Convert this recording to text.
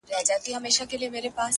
o ويل يې غواړم ځوانيمرگ سي.